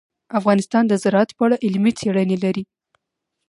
افغانستان د زراعت په اړه علمي څېړنې لري.